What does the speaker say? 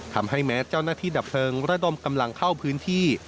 ทำให้แม้เจ้าหน้าที่ดับเพลิงระดมกำลังเข้าพื้นที่